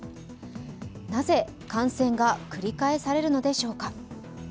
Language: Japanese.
なぜ感染が繰り返されるのでしょうか？